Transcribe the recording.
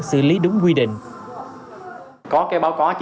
xử lý đúng quy định